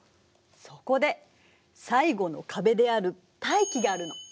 そこで最後の壁である大気があるの。